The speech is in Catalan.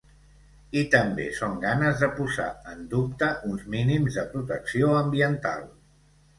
I també són ganes de posar en dubte uns mínims de protecció ambiental.